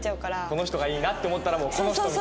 この人がいいなって思ったら「もうこの人！」みたいな。